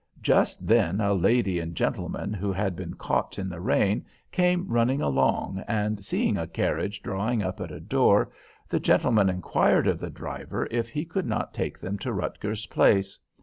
Just then a lady and gentleman who had been caught in the rain came running along, and seeing a carriage drawing up at a door, the gentleman inquired of the driver if he could not take them to Rutgers Place.